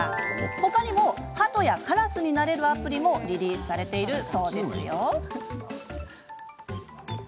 他にもハトや、カラスになれるアプリもリリースされているそうですよ。